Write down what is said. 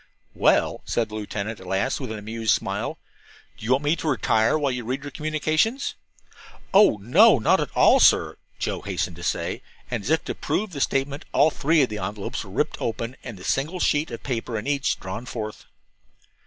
"Well," said the lieutenant at last, with an amused smile, "do you want me to retire while you read your communications?" "Oh, no, not at all, sir," Joe hastened to say, and as if to prove the statement all three envelopes were ripped open and the single sheet of paper in each drawn forth.